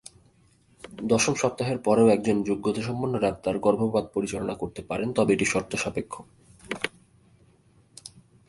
দশম সপ্তাহের পরেও একজন যোগ্যতাসম্পন্ন ডাক্তার গর্ভপাত পরিচালনা করতে পারেন, তবে এটি শর্ত সাপেক্ষে।